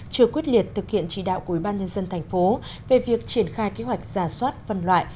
chưa quyết liệt thực hiện chỉ đạo của ubnd tp hcm về việc triển khai kế hoạch giả soát văn loại